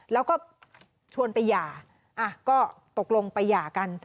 แล้วก็ชวนไปหย่าก็ตกลงไปหย่ากัน